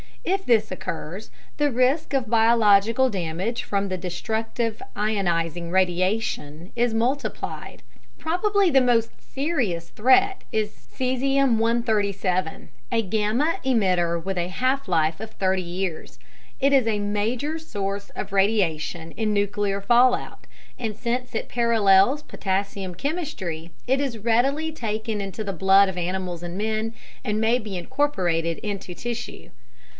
If this occurs, the risk of biological damage from the destructive ionizing radiation (see "Radioactivity" note) is multiplied. Probably the most serious threat is cesium 137, a gamma emitter with a half life of 30 years. It is a major source of radiation in nuclear fallout, and since it parallels potassium chemistry, it is readily taken into the blood of animals and men and may be incorporated into tissue.